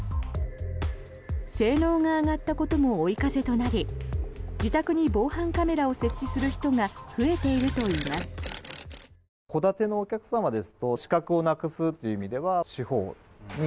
性能が上がったことも追い風となり自宅に防犯カメラを設置する人が増えているといいます。